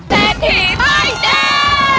เศรษฐีป้ายแดง